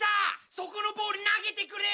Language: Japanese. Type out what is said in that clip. そこのボール投げてくれ！